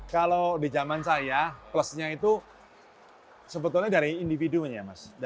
kalau di zaman saya plusnya itu sebetulnya dari individunya mas